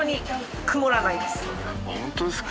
ホントですか？